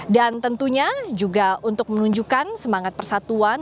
dan tentunya juga untuk menunjukkan semangat persatuan